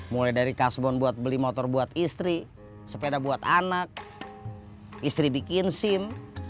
mulai dari karsbon buat beli motor buat istri sepeda buat anak istri bikin sim